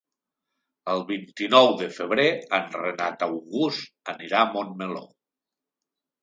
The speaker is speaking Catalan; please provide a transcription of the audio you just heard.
El vint-i-nou de febrer en Renat August anirà a Montmeló.